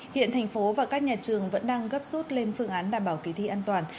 hiện thành phố và các nhà trường vẫn đang gấp rút lên phương án đảm bảo kỳ thi an toàn